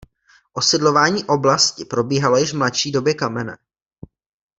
Osídlování oblasti probíhalo již v mladší době kamenné.